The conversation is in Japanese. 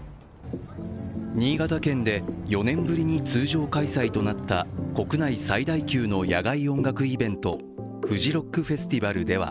新潟県で４年ぶりに通常開催となった国内最大級の野外音楽イベントフジロックフェスティバルでは